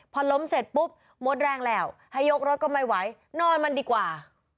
พอล้มเสร็จปุ๊บหมดแรงแล้วให้ยกรถก็ไม่ไหวนอนมันดีกว่า